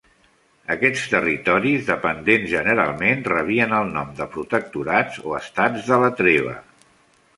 Aquests territoris dependents generalment rebien el nom de "protectorats" o "Estats de la Treva".